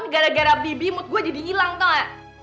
gara gara bibi mood gua jadi ilang toh